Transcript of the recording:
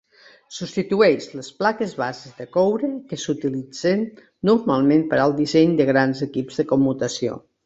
Substitueix les plaques base de coure que s'utilitzen normalment per al disseny de grans equips de commutació.